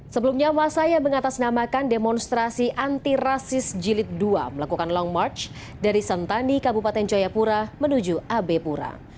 sebelumnya masa yang mengatasnamakan demonstrasi antirasis jilid dua melakukan long march dari sentani kabupaten jayapura menuju abe pura